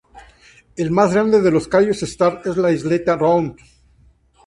El más grande de los Cayos Star es la Isleta Round.